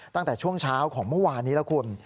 ตั้งแต่ช่วงเช้าของเมื่อวานนี้แล้วคุณ